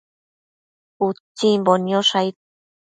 Utsimbo niosh aid